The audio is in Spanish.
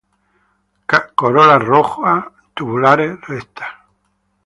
Corola rojo, tubulares, rectas.